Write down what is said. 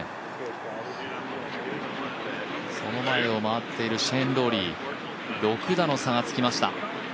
その前を回っているシェーン・ローリー６打の差がつきました。